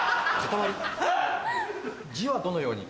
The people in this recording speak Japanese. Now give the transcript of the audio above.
字はどのように？